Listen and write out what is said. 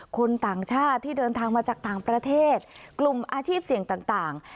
คนต่างชาติที่เดินทางมาจากต่างประเทศกลุ่มอาชีพเสี่ยงต่าง